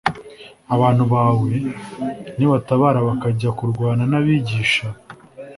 “abantu bawe nibatabara bakajya kurwana n’ababisha,